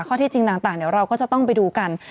ข้อที่จริงต่างเดี๋ยวเราก็จะต้องไปดูกัน